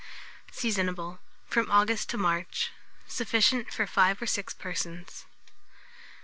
Seasonable from August to March. Sufficient for 5 or 6 persons.